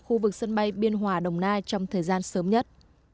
khu vực sân bay biên hòa đồng nai trong thời gian sớm nhất